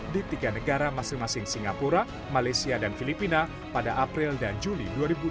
di tiga negara masing masing singapura malaysia dan filipina pada april dan juli dua ribu dua puluh